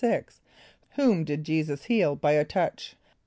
= Whom did J[=e]´[s+]us heal by a touch?